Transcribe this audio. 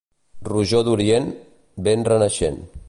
Rojor d'orient, vent renaixent.